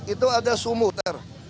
itu ada sumuter